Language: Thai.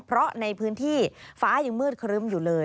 เพราะในพื้นที่ฟ้ายังมืดครึ้มอยู่เลย